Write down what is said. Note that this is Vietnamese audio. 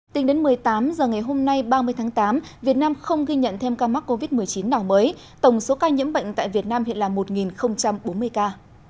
tính đến một mươi tám h ngày hôm nay ba mươi tháng tám việt nam không ghi nhận thêm ca mắc covid một mươi chín nào mới tổng số ca nhiễm bệnh tại việt nam hiện là một bốn mươi ca